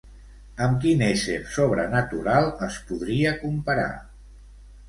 Amb quin ésser sobrenatural es podria comparar?